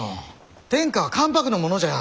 天下は関白のものじゃ。